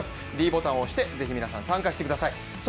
ｄボタンを押して参加してください